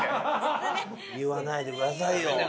言わないでくださいよ。